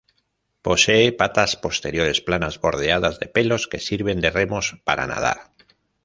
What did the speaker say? Poseen patas posteriores planas bordeadas de pelos, que sirven de remos para nadar.